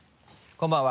こんばんは。